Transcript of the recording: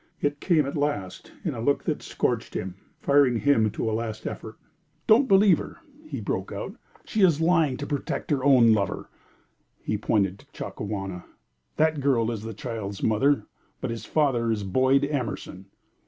It came at last in a look that scorched him, firing him to a last effort. "Don't believe her!" he broke out. "She is lying to protect her own lover!" He pointed to Chakawana. "That girl is the child's mother, but its father is Boyd Emerson!"